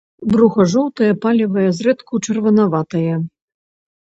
Бруха жоўтае, палевае, зрэдку чырванаватае.